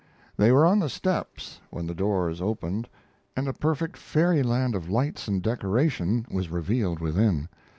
They were on the steps when the doors opened, and a perfect fairyland of lights and decoration was revealed within.